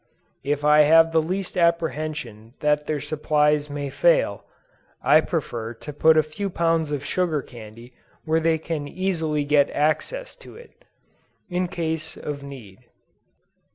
If I have the least apprehension that their supplies may fail, I prefer to put a few pounds of sugar candy where they can easily get access to it, in case of need.